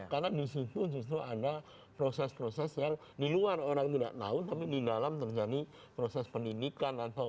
karena disitu justru ada proses proses yang di luar orang tidak tahu tapi di dalam terjadi proses pendidikan atau